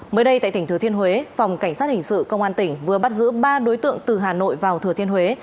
mới đây tại tỉnh thừa thiên huế phòng cảnh sát hình sự công an tỉnh vừa bắt giữ ba đối tượng từ hà nội vào thừa thiên huế